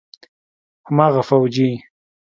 هماغه فوجي.